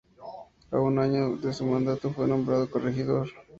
A un año de su mandato, fue nombrado corregidor.